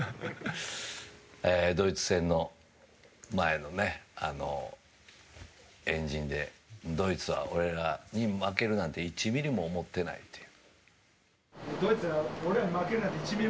ドイツ戦の前の円陣でドイツは俺らに負けるなんて１ミリも思ってないという。